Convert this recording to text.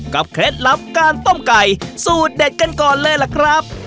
เคล็ดลับการต้มไก่สูตรเด็ดกันก่อนเลยล่ะครับ